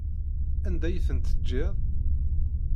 Anda i tent-teǧǧiḍ?